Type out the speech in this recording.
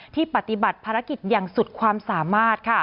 ปฏิบัติภารกิจอย่างสุดความสามารถ